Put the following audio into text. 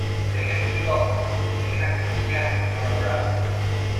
They have three daughters, including actress Kathryne Dora Brown.